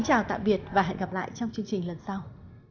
hẹn gặp lại trong chương trình lần sau